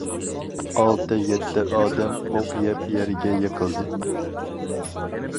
ئالتە، يەتتە ئادەم ئوق يەپ يەرگە يىقىلدى.